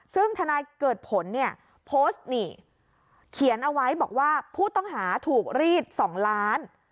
ซึ่งธนายเกิดผลเนี่ยโพสต์นี่เขียนเอาไว้บอกว่าผู้ต้องหาถูกรีด๒ล้าน